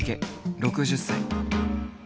６０歳。